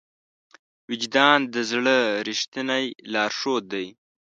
وجدان د زړه ریښتینی لارښود دی.